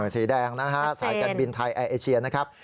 สีแดงนะฮะสายการบินไทยแอร์เอเชียนะครับ